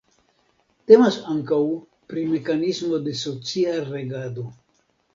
Temas ankaŭ pri mekanismo de socia regado.